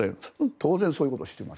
当然そういうことをします。